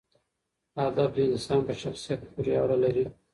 ادب د انسان په شخصیت پورې اړه لري.